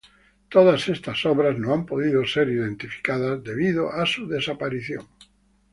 Todas estas obras no han podido ser identificadas debido a su desaparición.